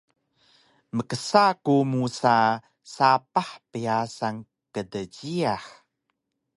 Mksa ku musa sapah pyasan kdjiyax